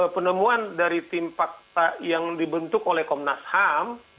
penemuan dari tim fakta yang dibentuk oleh komnas ham